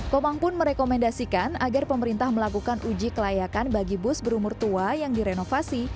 komang pun merekomendasikan agar pemerintah melakukan uji kelayakan bagi bus berumur tua yang direnovasi